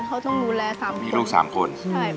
เขาต้องดูแล๓คนมีลูก๓คน